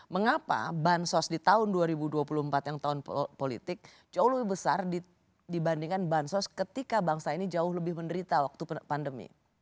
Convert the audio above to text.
mengapa bansos di tahun dua ribu dua puluh empat yang tahun politik jauh lebih besar dibandingkan bansos ketika bangsa ini jauh lebih menderita waktu pandemi